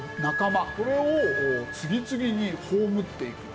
これを次々に葬っていく。